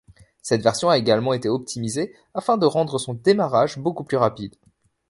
Cette version a également été optimisée afin de rendre son démarrage beaucoup plus rapide.